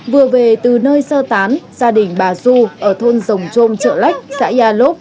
vừa về từ nơi sơ tán gia đình bà du ở thôn rồng trôm chợ lách xã gia lốt